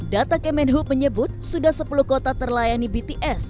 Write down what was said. data kemenhub menyebut sudah sepuluh kota terlayani bts